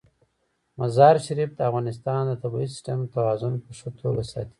مزارشریف د افغانستان د طبعي سیسټم توازن په ښه توګه ساتي.